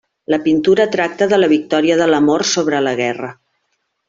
La pintura tracta de la victòria de l'amor sobre la guerra.